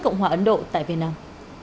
cộng hòa ấn độ tại việt nam